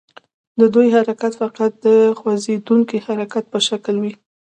د دوی حرکت فقط د خوځیدونکي حرکت په شکل وي.